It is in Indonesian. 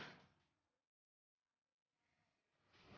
saya akan baru pindah kontrakan rafa